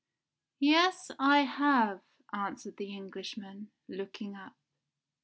"Yes, I have," answered the Englishman, looking up.